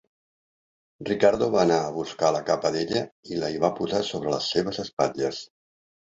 Ricardo va anar a buscar la capa d'ella i la hi va posar sobre les seves espatlles.